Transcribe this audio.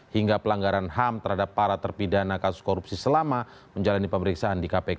hingga pelanggaran ham terhadap para terpidana kasus korupsi selama menjalani pemeriksaan di kpk